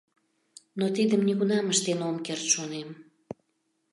Но тидым нигунам ыштен ом керт шонем.